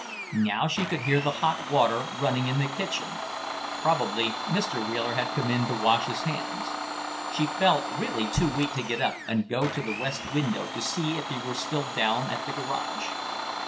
Now she could hear the hot water running in the kitchen; probably Mr. Wheeler had come in to wash his hands. She felt really too weak to get up and go to the west window to see if he were still down at the garage.